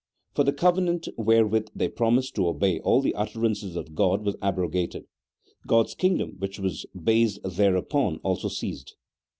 For the covenant wherewith they promised to obey all the utterances of G od was abrogated ; G od's kingdom, which was based thereupon, also ceased.